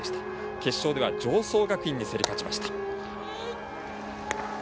決勝では常総学院に競り勝ちました。